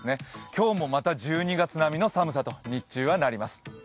今日もまた１２月並みの寒さと日中はなります。